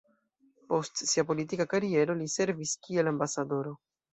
Post sia politika kariero li servis kiel ambasadoro.